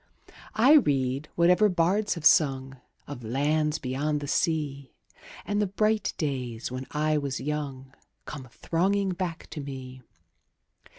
I read whatever bards have sung Of lands beyond the sea, 10 And the bright days when I was young Come thronging back to me.